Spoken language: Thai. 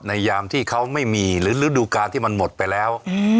ยามที่เขาไม่มีหรือฤดูกาลที่มันหมดไปแล้ว